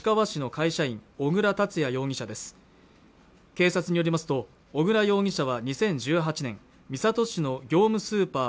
警察によりますと小椋容疑者は２０１８年三郷市の業務スーパー